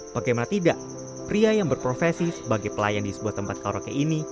bagaimana tidak pria yang berprofesi sebagai pelayan di sebuah tempat karaoke ini